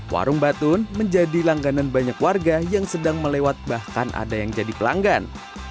warung batun menjadi langganan banyak warga yang sedang melewat bahkan ada yang jadi pelanggan